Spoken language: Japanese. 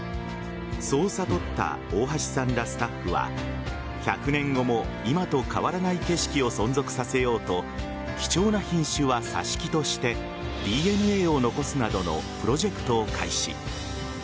そう悟った大橋さんらスタッフは１００年後も今と変わらない景色を存続させようと貴重な品種は挿し木としてＤＮＡを残すなどのプロジェクトを開始。